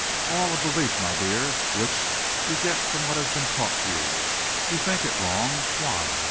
"All a belief, my dear, which you get from what has been taught you. You think it wrong. Why?